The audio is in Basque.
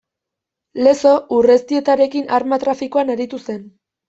Lezo Urreztietarekin arma trafikoan aritu zen.